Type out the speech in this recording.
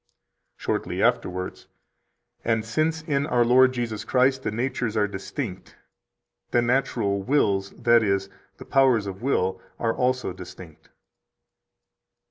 142 Shortly afterwards: "And since in our Lord Jesus Christ the natures are distinct, the natural wills, that is, the powers of will, are also distinct."